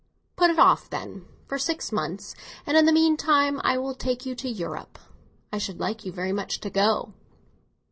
"Put it off, then, for six months, and in the meantime I will take you to Europe. I should like you very much to go."